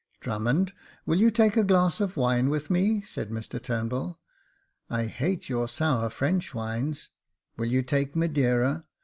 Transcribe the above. " Drummond, will you take a glass of wine with me ?" said Mr Turnbull. " I hate your sour French wines. Will you take Madeira